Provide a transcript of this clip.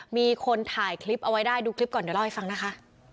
มีคนถ่ายคลิปเอาไว้ได้ดูคลิปก่อนเดี๋ยวเล่าให้ฟังนะคะ